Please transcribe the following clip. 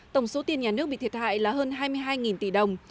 tổng số tiền nhà nước bị thiệt hại là hơn hai mươi hai tỷ đồng